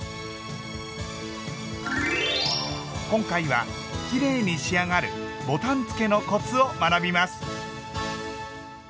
今回はきれいに仕上がるボタンつけのコツを学びます。